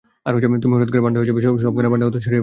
তুমি হঠাৎ করে পান্ডা হয়ে যাবে, সবখানে পান্ডার কথা ছড়িয়ে পড়বে।